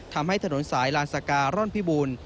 ทำให้ถนนสายลานสการ่อนพิบูรณ์